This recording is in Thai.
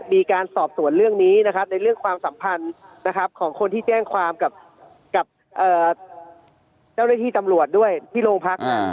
มีการสอบสวนเรื่องนี้นะครับในเรื่องความสัมพันธ์นะครับของคนที่แจ้งความกับเจ้าหน้าที่ตำรวจด้วยที่โรงพัก